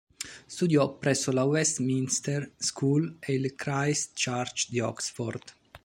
Studiò presso la Westminster School e il Christ Church di Oxford.